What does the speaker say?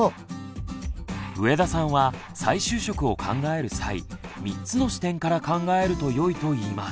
上田さんは再就職を考える際３つの視点から考えるとよいと言います。